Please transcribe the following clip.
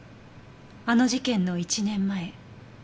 あの事件の１年前。